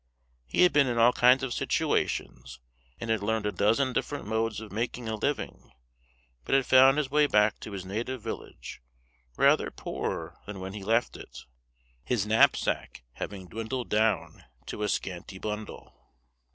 He had been in all kinds of situations, and had learned a dozen different modes of making a living; but had found his way back to his native village rather poorer than when he left it, his knapsack having dwindled down to a scanty bundle.